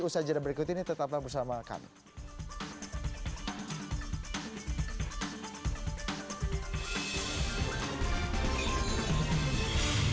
usaha jadwal berikut ini tetaplah bersama kami